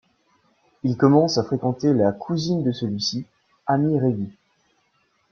Il commence à fréquenter la cousine de celui-ci, Amy Reilly.